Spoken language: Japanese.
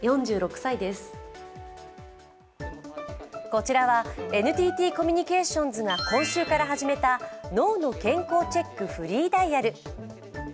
こちらはＮＴＴコミュニケーションズが今週から始めた脳の健康チェックフリーダイヤル。